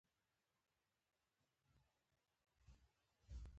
د مخ هډوکي یې غټ او راوتلي دي.